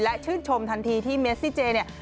และชื่นชมทันทีที่เมซิเจเนี่ย